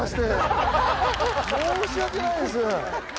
申し訳ないです。